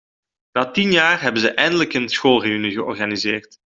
Na tien jaar hebben ze eindelijk een schoolreünie georganiseerd.